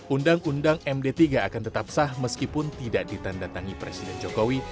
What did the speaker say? undang undang md tiga akan tetap sah meskipun tidak ditandatangi presiden jokowi